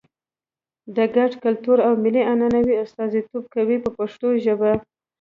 د ګډ کلتور او ملي عنعنو استازیتوب کوي په پښتو ژبه.